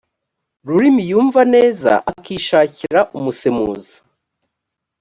rurimi yumva neza akishakira umusemuzi